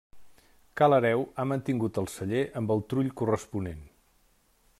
Ca l'Hereu ha mantingut el celler amb el trull corresponent.